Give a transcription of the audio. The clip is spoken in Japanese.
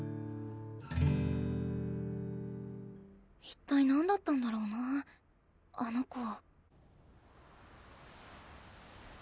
一体何だったんだろうなあの子。